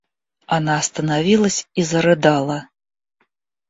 Она остановилась и зарыдала.